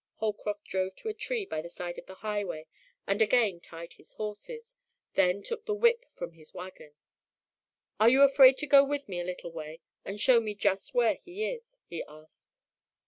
Holcroft drove to a tree by the side of the highway and again tied his horses, then took the whip from the wagon. "Are you afraid to go with me a little way and show me just where he is?" he asked.